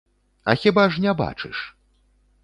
А хіба ж не бачыш?